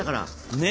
ねえ。